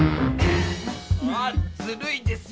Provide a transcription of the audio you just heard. あっずるいですよ！